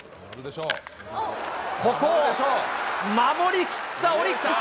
ここを守り切ったオリックス。